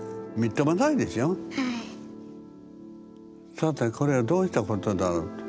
さてこれはどうしたことだろう。